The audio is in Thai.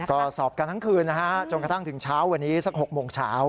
ก็สอบกันทั้งคืนนะฮะจนกระทั่งถึงเช้าวันนี้สัก๖โมงเช้า